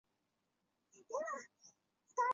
怎么只有你一个人